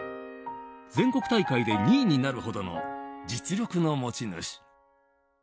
全国大会で２位になるほどの実力の持ち主。